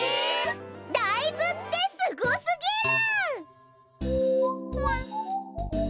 だいずってすごすぎる！